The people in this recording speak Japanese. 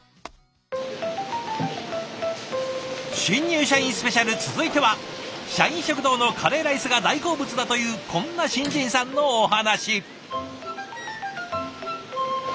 「新入社員スペシャル」続いては社員食堂のカレーライスが大好物だというこんな新人さんのお話。